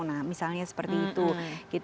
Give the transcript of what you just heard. nah misalnya seperti itu